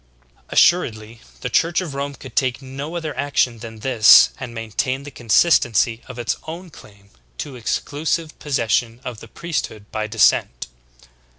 26. Assuredly the Church of Rome could take no other action than this and maintain the consistency of its own claim to exclusive possession of the priesthood by descent.